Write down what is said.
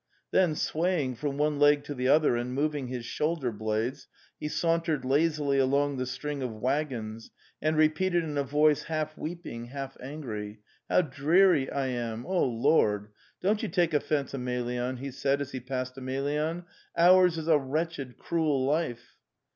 Then, swaying from one leg to the other and mov ing his shoulder blades, he sauntered lazily along side the string of waggons and repeated in a voice half weeping, half angry: 'How dreary lam! O Lord! Don't you take offence, Emelyan," he said as he passed Emelyan. "Ours is a wretched cruel life!"